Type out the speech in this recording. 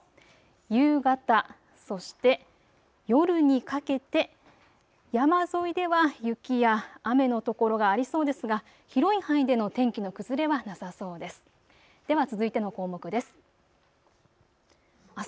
夕方、そして夜にかけて山沿いでは雪や雨の所がありそうですが、広い範囲での天気の崩れはなさそうです。